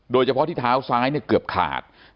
โดยเฉพาะที่เท้าซ้ายเนี่ยเกือบขาด